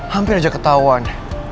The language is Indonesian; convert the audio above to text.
hampir aja ketauan